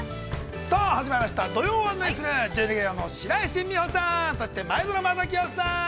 さあ始まりました「土曜はナニする！？」、準レギュラー、白石美帆さん、そして、前園真聖さん。